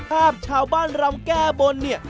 ภาพชาวบ้านรำแก้บนเนี่ย